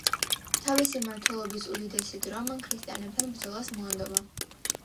თავისი მმართველობის უდიდესი დრო, მან ქრისტიანებთან ბრძოლას მოანდომა.